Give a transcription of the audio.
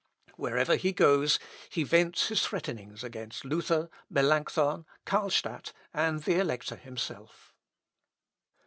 Wherever he goes he vents his threatenings against Luther, Melancthon, Carlstadt, and the Elector himself.